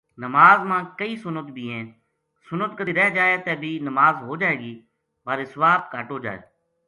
نماز ما کئی سنت بھی ہیں۔ سنت کدے رہ جائے تے بھی نماز ہو جائے گی بارے ثواب کہٹ ہو جائے۔